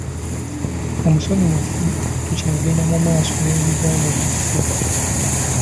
Omusomi waffe, tukyagenda mu maaso n'ebigambo byaffe.